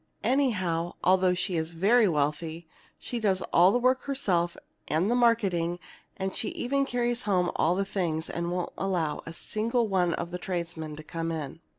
Anyhow, although she is very wealthy, she does all the work herself, and the marketing; and she even carries home all the things, and won't allow a single one of the tradesmen to come in.